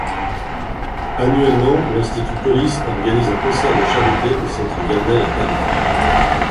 Annuellement, l'Institut Polis organise un concert de charité au centre Garnelles à Paris.